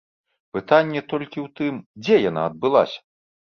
Пытанне толькі ў тым, дзе яна адбылася?